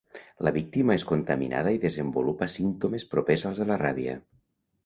La víctima és contaminada i desenvolupa símptomes propers als de la ràbia.